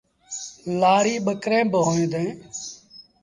لآڙيٚ ٻڪريݩ با هوئين ديٚݩ ۔